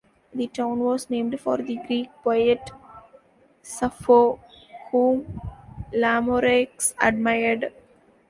The town was named for the Greek poet Sappho, whom Lamoreux admired.